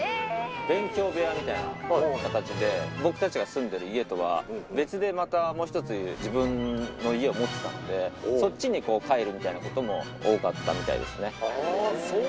勉強部屋みたいな形で、僕たちが住んでいる家とは、別でまたもう一つ、自分の家を持ってたんで、そっちに帰るみたいなことも多かったみたいですね。